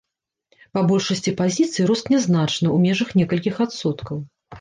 Па большасці пазіцый рост нязначны, у межах некалькіх адсоткаў.